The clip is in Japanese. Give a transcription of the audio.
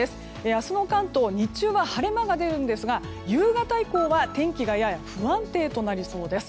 明日の関東、日中は晴れ間が出るんですが夕方以降は天気がやや不安定となりそうです。